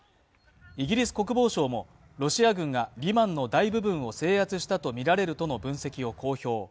イギリス国防省も、ロシア軍がリマンの大部分を制圧したとみられるとの分析を公表。